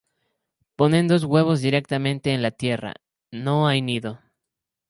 Ponen dos huevos directamente en la tierra, no hay nido.